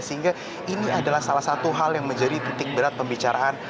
sehingga ini adalah salah satu hal yang menjadi titik berat pembicaraan